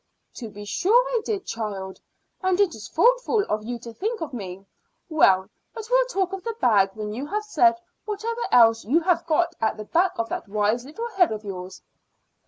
"To be sure I did, child, and it is thoughtful of you to think of me. Well, but we'll talk of the bag when you have said whatever else you have got at the back of that wise little head of yours."